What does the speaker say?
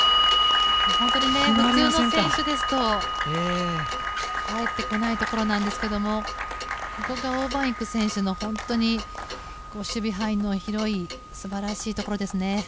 本当に普通の選手ですと返ってこないところなんですがここがオウ・マンイク選手の本当に、守備範囲の広い素晴らしいところですね。